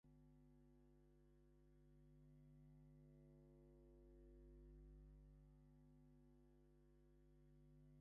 Bessus returned to Bactria and tried to organize resistance among the eastern satrapies.